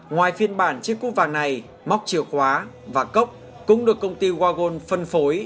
ngoài phiên bản chiếc cúp vàng này móc chìa khóa và cốc cũng được công ty wagon phân phối